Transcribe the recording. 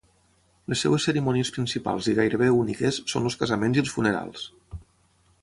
Les seves cerimònies principals i gairebé úniques són els casaments i els funerals.